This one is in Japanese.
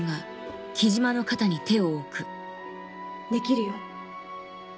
できるよ。